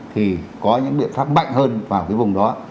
thì có những biện pháp mạnh hơn vào cái vùng đó